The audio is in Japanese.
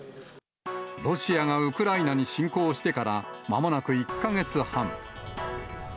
ロシアがウクライナに侵攻してからまもなく１か月半。